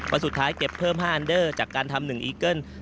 สุดท้ายเก็บเพิ่ม๕อันเดอร์จากการทำ๑อีเกิ้ล